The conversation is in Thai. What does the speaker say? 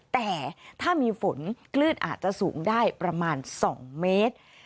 แต่ถ้ามีฝนคลื่นอาจจะสูงได้ประมาณ๒เมตร